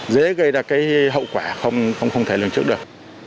dễ gây ra cái hậu quả không thể lường trước được